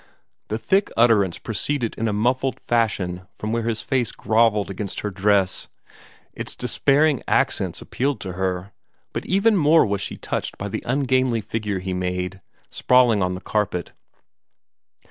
The thick utterance proceeded in a muffled fashion from where his face grovelled against her dress. Its despairing accents appealed to her, but even more was she touched by the ungainly figure he made, sprawling on the carpet.